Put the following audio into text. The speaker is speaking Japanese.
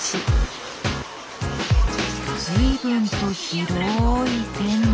随分と広い店内。